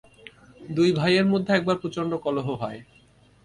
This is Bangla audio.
দুই ভাইয়ের মধ্যে একবার প্রচণ্ড কলহ হয়।